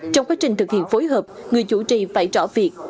trong quá trình thực hiện phối hợp người chủ trì phải rõ việc